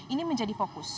ini menjadi fokus